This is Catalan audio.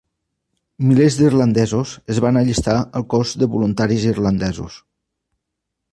Milers d'irlandesos es van allistar al cos de Voluntaris Irlandesos.